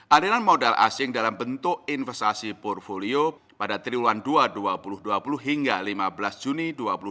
aliran modal asing dalam bentuk investasi portfolio pada triwulan dua dua puluh dua puluh hingga lima belas juni dua ribu dua puluh